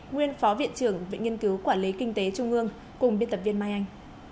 nguyên phó viện trưởng viện nghiên cứu quản lý kinh tế trung ương cùng biên tập viên mai anh